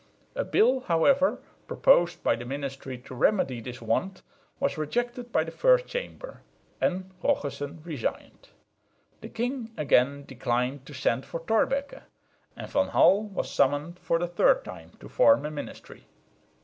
A bill, however, proposed by the ministry to remedy this want was rejected by the First Chamber, and Rochussen resigned. The king again declined to send for Thorbecke; and Van Hall was summoned for the third time to form a ministry.